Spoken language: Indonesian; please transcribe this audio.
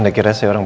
mau apa kita kesini